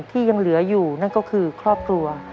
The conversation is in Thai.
ที่ยังเหลืออยู่นั่นก็คือครอบครัว